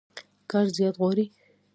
کار زيار غواړي.